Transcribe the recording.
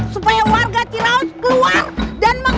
sekarang motor gak aman